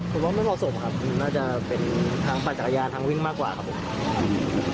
ผมว่าไม่เหมาะสมครับน่าจะเป็นทางปั่นจักรยานทางวิ่งมากกว่าครับผม